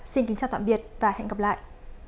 xin kính chào tạm biệt và hẹn gặp lại